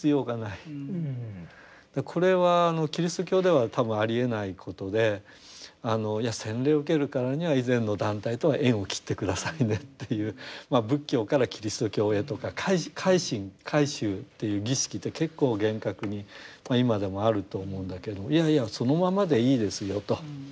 これはキリスト教では多分ありえないことで洗礼を受けるからには以前の団体とは縁を切って下さいねっていう仏教からキリスト教へとか改心改宗っていう儀式って結構厳格にまあ今でもあると思うんだけれどもいやいやそのままでいいですよと。